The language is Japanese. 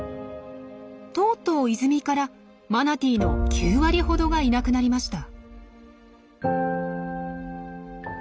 とうとう泉からマナティーの９割ほどがいなくなりました。